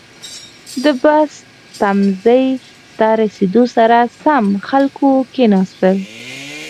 • د بس تمځي ته رسېدو سره سم، خلکو کښېناستل.